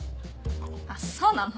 あっそうなの？